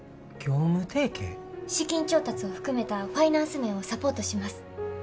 資金調達を含めたファイナンス面をサポートします。